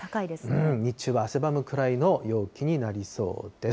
日中は汗ばむくらいの陽気になりそうです。